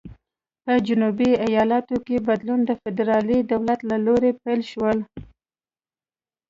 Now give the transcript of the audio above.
په جنوبي ایالتونو کې بدلون د فدرالي دولت له لوري پیل شول.